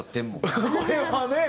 これはね！